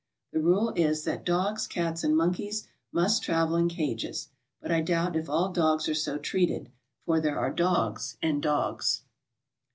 The rule is that dogs, cats and monkeys must travel in cages, but I doubt if all dogs are so treated, for there are dogs and dogs.